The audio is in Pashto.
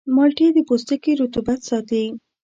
مالټې د پوستکي رطوبت ساتي.